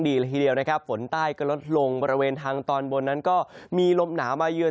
ละทีเดียวนะครับฝนใต้ก็ลดลงบริเวณทางตอนบนนั้นก็มีลมหนาวมาเยือน